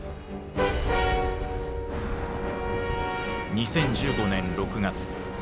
２０１５年６月。